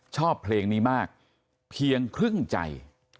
ชอบเพลงนี้มากเพียงครึ่งใจ